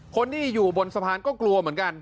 คนที่อยู่บนสะพานก็กลัวเหมือนกัน